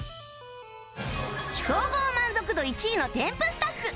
総合満足度１位のテンプスタッフ